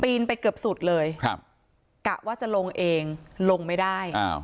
ไปเกือบสุดเลยครับกะว่าจะลงเองลงไม่ได้อ้าว